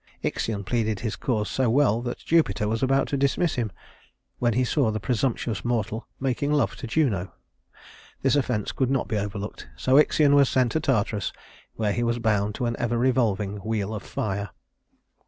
Ixion pleaded his cause so well that Jupiter was about to dismiss him, when he saw the presumptuous mortal making love to Juno. This offense could not be overlooked, so Ixion was sent to Tartarus, where he was bound to an ever revolving wheel of fire.